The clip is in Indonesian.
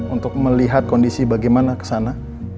untuk melihat kondisi bagaimana kesana